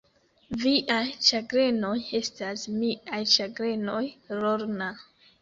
Viaj ĉagrenoj estas miaj ĉagrenoj, Lorna.